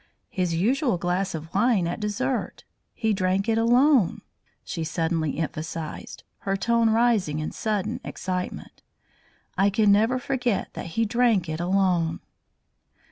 "His usual glass of wine at dessert. He drank it alone!" she suddenly emphasised, her tone rising in sudden excitement. "I can never forget that he drank it alone."